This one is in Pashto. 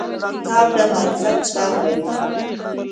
کتاب د معرفت څراغ دی.